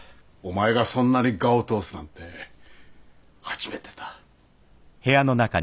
お前がそんなに我を通すなんて初めてだ。